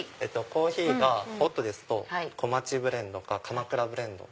コーヒーがホットですと小町ブレンドか鎌倉ブレンド。